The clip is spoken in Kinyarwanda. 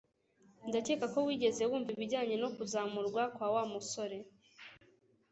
Ndakeka ko wigeze wumva ibijyanye no kuzamurwa kwa Wa musore